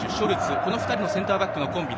この２人のセンターバックのコンビ。